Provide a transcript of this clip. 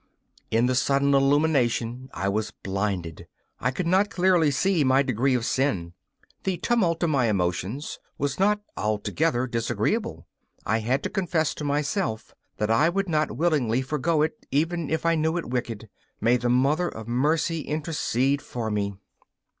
In the sudden illumination I was blinded: I could not clearly see my degree of sin. The tumult of my emotions was not altogether disagreeable; I had to confess to myself that I would not willingly forego it even if I knew it wicked. May the Mother of Mercy intercede for me!